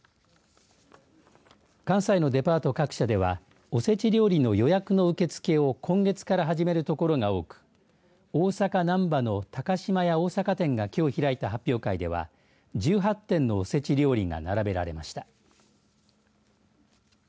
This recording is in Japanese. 関西のデパート各社ではおせち料理の予約の受け付けを今月から始めるところが多く大阪・難波の高島屋大阪店がきょう開いた発表会では１８点のおせち料理が並べられました。